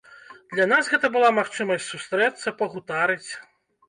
Для нас гэта была магчымасць сустрэцца, пагутарыць.